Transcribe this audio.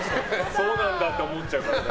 そうなんだって思っちゃう。